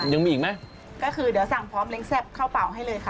ยังมีอีกไหมก็คือเดี๋ยวสั่งพร้อมเล้งแซ่บเข้าเป่าให้เลยค่ะ